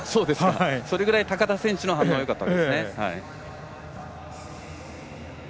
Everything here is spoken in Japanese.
それぐらい高田選手の反応がよかったんですね。